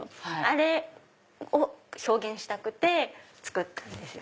あれを表現したくて作ったんです。